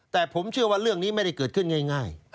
แต่ผมเชื่อว่าเรื่องนี้ไม่ได้เกิดขึ้นง่าย